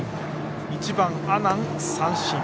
１番、阿南も三振。